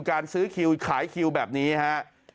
การซื้อคิวขายคิวแบบนี้ฮะ